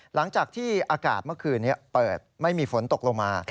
หลังจากที่อากาศเมื่อคืนนี้เปิดไม่มีฝนตกลงมา